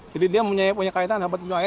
jadi dia punya kaitan